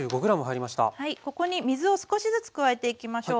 ここに水を少しずつ加えていきましょう。